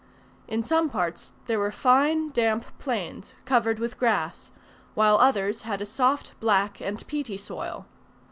In some parts there were fine damp plains, covered with grass, while others had a soft, black, and peaty soil.